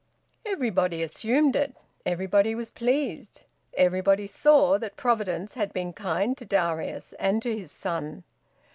Everybody assumed it. Everybody was pleased. Everybody saw that Providence had been kind to Darius and to his son.